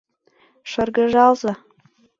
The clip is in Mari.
— Шыргыжалза!